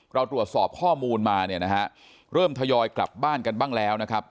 เราตรวจสอบข้อมูลมาเนี่ยนะฮะเริ่มทยอยกลับบ้านกันบ้างแล้วนะครับ